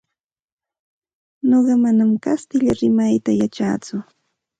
Nuqa manam kastilla rimayta yachatsu.